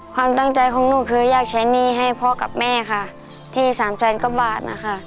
ความตั้งใจของหนูคืออยากใช้หนี้ให้พ่อกับแม่ค่ะที่สามแสนกว่าบาทนะคะ